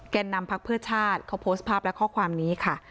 นำพักเพื่อชาติเขาโพสต์ภาพและข้อความนี้ค่ะ